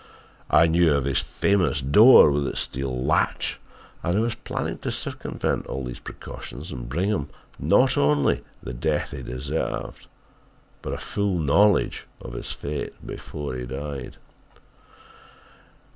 I knew of his famous door with its steel latch and I was planning to circumvent all these precautions and bring to him not only the death he deserved, but a full knowledge of his fate before he died.